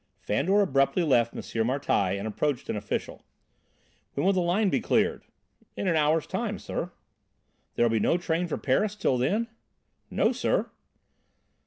Fandor abruptly left M. Martialle and approached an official. "When will the line be cleared?" "In an hour's time, sire." "There'll be no train for Paris till then?" "No, sir."